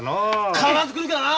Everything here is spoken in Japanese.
必ず来るからな。